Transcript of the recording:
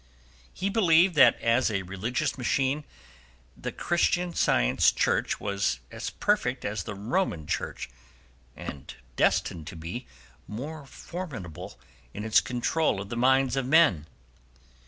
He believed that as a religious machine the Christian Science Church was as perfect as the Roman Church and destined to be more formidable in its control of the minds of men.